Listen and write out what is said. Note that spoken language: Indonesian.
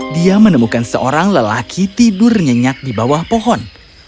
dia menemukan seorang lelaki tidur nyenyak di bawah pohon